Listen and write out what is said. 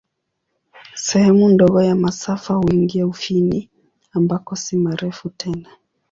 Sehemu ndogo ya masafa huingia Ufini, ambako si marefu tena.